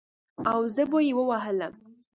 او زه به يې ووهلم.